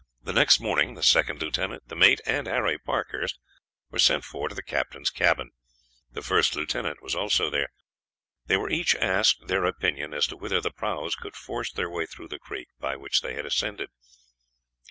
The next morning the second lieutenant, the mate, and Harry Parkhurst were sent for to the captain's cabin. The first lieutenant was there. They were each asked their opinion as to whether the prahus could force their way through the creek by which they had ascended.